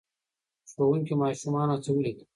ښوونکي ماشومان هڅولي دي.